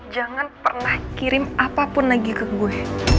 jangan pernah kirim apapun lagi ke gue